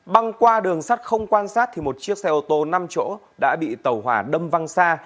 băng qua đường sắt không quan sát thì một chiếc xe ô tô năm chỗ đã bị tàu hỏa đâm văng xa